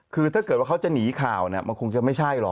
คือถ้าเขาจะหนีข่าวมันคงจะไม่ใช่หรอก